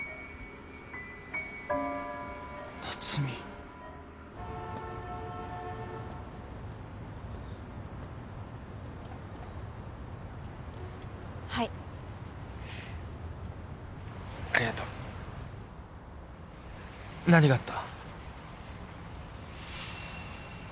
夏美はいありがとう何があった？